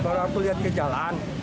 baru aku lihat ke jalan